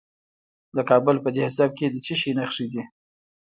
د کابل په ده سبز کې د څه شي نښې دي؟